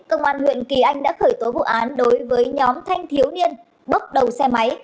công an huyện kỳ anh đã khởi tố vụ án đối với nhóm thanh thiếu niên bước đầu xe máy